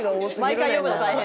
毎回読むの大変。